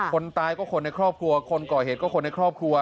คนตายก็คนในครอบครัวคนก่อเหตุก็คนในครอบครัว